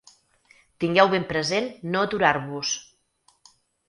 Tingueu ben present no aturar-vos.